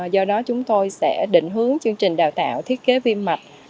do đó chúng tôi sẽ định hướng chương trình đào tạo thiết kế vi mạch